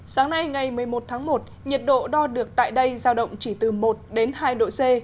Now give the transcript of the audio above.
sáng nay ngày một mươi một tháng một nhiệt độ đo được tại đây giao động chỉ từ một đến hai độ c